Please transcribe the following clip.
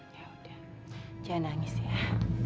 ya udah jangan nangis ya